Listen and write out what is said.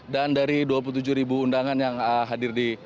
dari dua puluh tujuh ribu undangan yang hadir di